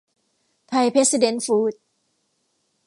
ไทยเพรซิเดนท์ฟูดส์